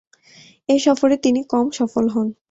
এ সফরে তিনি কম সফল হন।